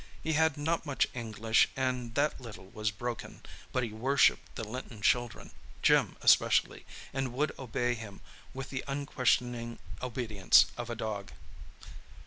He had not much English and that little was broken, but he worshipped the Linton children—Jim especially, and would obey him with the unquestioning obedience of a dog.